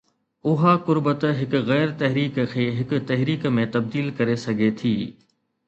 اها قربت هڪ غير تحريڪ کي هڪ تحريڪ ۾ تبديل ڪري سگهي ٿي.